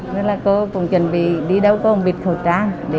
rồi là cô cũng chuẩn bị đi đâu cô cũng bịt khẩu trang